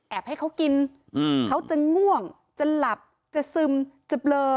ให้เขากินเขาจะง่วงจะหลับจะซึมจะเบลอ